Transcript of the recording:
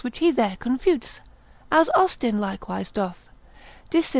4 and 5, which he there confutes, as Austin likewise doth, de civ.